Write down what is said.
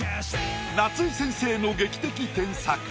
夏井先生の劇的添削。